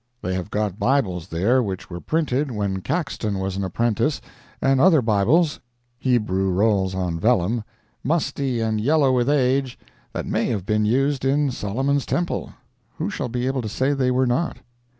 They have got Bibles there which were printed when Caxton was an apprentice, and other Bibles (Hebrew rolls on vellum,) musty and yellow with age, that may have been used in Solomon's Temple—who shall be able to say they were not?